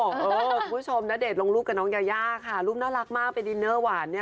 คุณผู้ชมณเดชน์ลงรูปกับน้องยายาค่ะรูปน่ารักมากเป็นดินเนอร์หวานเนี่ย